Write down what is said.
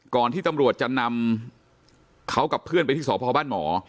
ที่ตำรวจจะนำเขากับเพื่อนไปที่สพบ้านหมอ